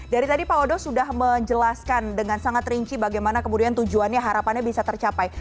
dari tadi pak odo sudah menjelaskan dengan sangat rinci bagaimana kemudian tujuannya harapannya bisa tercapai